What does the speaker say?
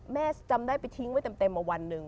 แม่จำได้ไปทิ้งไว้เต็มมาวันหนึ่ง